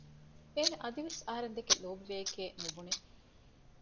އޭނަ އަދިވެސް އަހަރެން ދެކެ ލޯބިވެޔެކޭ ނުބުނެ